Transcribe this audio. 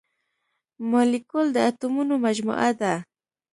مالیکول د اتومونو مجموعه ده.